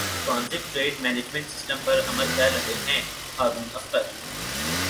transit trade management system پر عمل کر رہے ہیں ہارون اختر